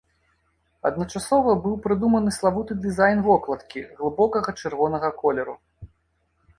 Адначасова быў прыдуманы славуты дызайн вокладкі глыбокага чырвонага колеру.